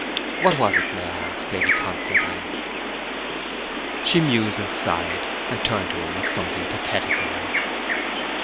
What was it, may I ask, Lady Constantine?' She mused, and sighed, and turned to him with something pathetic in her.